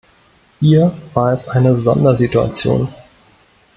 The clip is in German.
Hier war es eine Sondersituation.